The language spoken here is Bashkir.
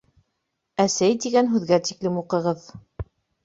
«Әсәй» тигән һүҙгә тиклем уҡығыҙ